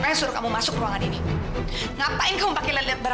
ya allah mbak lila